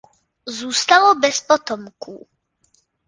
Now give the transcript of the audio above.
Zůstalo bez potomků.